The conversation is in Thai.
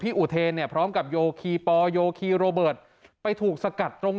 อุเทนเนี่ยพร้อมกับโยคีปอลโยคีโรเบิร์ตไปถูกสกัดตรง